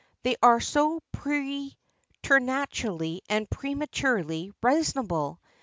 They are so preternaturally and prematurely reasonable!